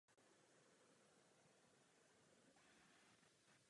S manželkou Evou má syna Tomáše a dceru Evu.